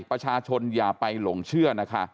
ประชาชนอย่าไปหลงเชื่อนะคะ